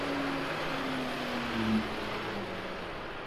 伊顿公学以其古老的传统和特别的校服而闻名。